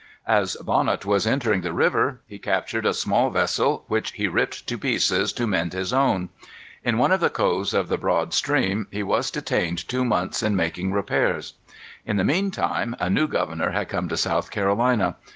As Bonnet was entering the river he captured a small vessel, which he ripped to pieces to mend his own. In one of the coves of the broad stream he was detained two months in making repairs. In the mean time a new governor had come to South Carolina.